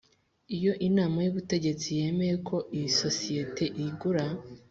Iyo inama y ubutegetsi yemeye ko isosiyete igura